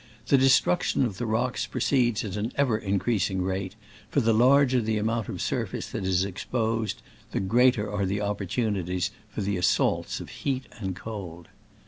The destruction of the rocks proceeds at an ever in creasing rate, for the larger the amount of sur face that is exposed, the greater are the opportunities for the as saults of heat and cold.